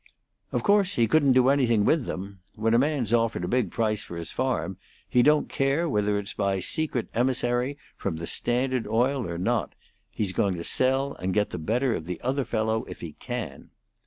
"Of course, he couldn't do anything with them. When a man's offered a big price for his farm, he don't care whether it's by a secret emissary from the Standard Oil or not; he's going to sell and get the better of the other fellow if he can.